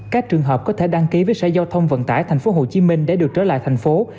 các trường hợp có thể đăng ký với sở giao thông vận tải tp hcm để được trở lại thành phố